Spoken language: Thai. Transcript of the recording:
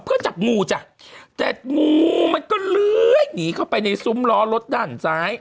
เพื่อจับงูจ้ะแต่งูมันก็เลื้อยหนีเข้าไปในซุ้มล้อรถด้านซ้าย